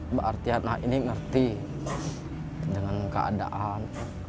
mbak artiana ini ngerti dengan keadaan